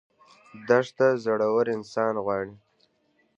دښته زړور انسان غواړي.